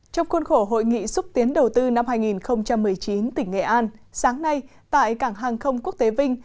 trong khuôn khổ hội nghị xúc tiến đầu tư năm hai nghìn một mươi chín tỉnh nghệ an sáng nay tại cảng hàng không quốc tế vinh